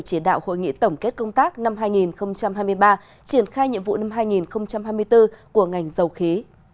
chỉ đạo hội nghị tổng kết công tác năm hai nghìn hai mươi ba triển khai nhiệm vụ năm hai nghìn hai mươi bốn của ngành dầu khí